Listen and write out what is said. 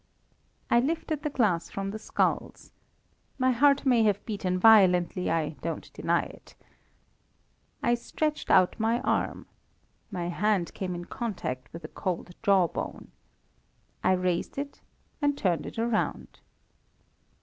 I lifted the glass from the skulls. My heart may have beaten violently, I don't deny it. I stretched out my arm. My hand came in contact with a cold jaw bone. I raised it and turned it round.